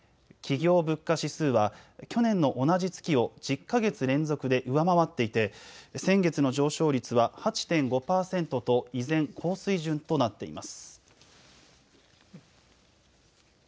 企業物価指数は去年の同じ月を１０か月連続で上回っていて先月の上昇率は８．５％と依然、高水準となっています。